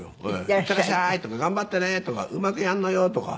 「いってらっしゃい」とか「頑張ってね」とか「うまくやるのよ」とか。